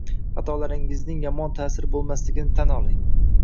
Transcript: Xatolaringizning yomon ta’siri bo’lmasligini tan oling.